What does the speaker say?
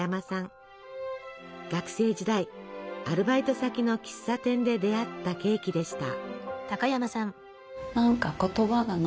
学生時代アルバイト先の喫茶店で出会ったケーキでした。